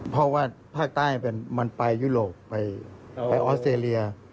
เพราะว่าภาคใต้มันไปยุโรปไปออสเตรเลีย